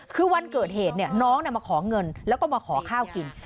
คือวันเกิดเหตุน้องมาขอเงินแล้วก็มาขอข้าวกิน